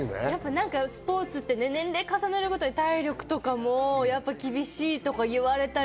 スポーツって年齢を重ねるごとに体力とかも厳しいとか言われたり。